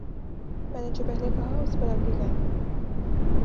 میں نے جو پہلے کہا ،اس پر اب بھی قائم ہوں